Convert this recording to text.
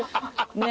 ねえ